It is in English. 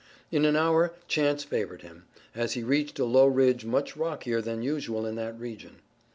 In an hour chance favored him, as he reached a low ridge much rockier than usual in that region.